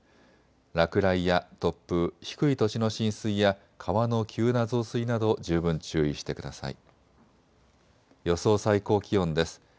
落雷や突風、低い土地の浸水や川の急な増水など十分注意してください。